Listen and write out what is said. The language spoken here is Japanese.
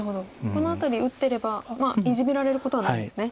この辺り打ってればイジメられることはないですね。